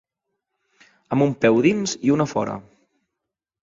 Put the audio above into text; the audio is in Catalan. Amb un peu dins i un a fora.